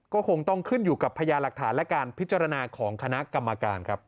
ก็คงต้องขึ้นอยู่กับพญาหลักฐานและการพิจารณาของคณะกรรมการครับ